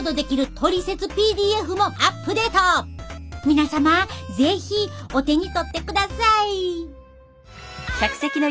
皆様是非お手に取ってください。